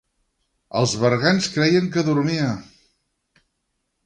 Els bergants creien que dormia…